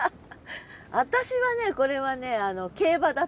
私はねこれはね競馬だと思う。